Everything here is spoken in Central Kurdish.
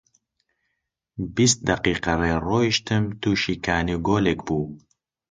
بیست دەقیقە ڕێ ڕۆیشتم، تووشی کانی و گۆلێک بوو